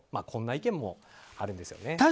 こんな意見もあるんですよね。